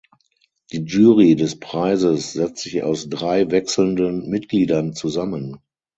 Die Jury des Preises setzt sich aus drei wechselnden Mitgliedern zusammen.